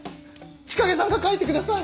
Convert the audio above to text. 千景さんが描いてください。